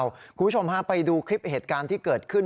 คุณผู้ชมฮะไปดูคลิปเหตุการณ์ที่เกิดขึ้น